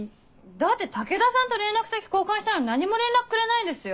だって武田さんと連絡先交換したのに何も連絡くれないんですよ。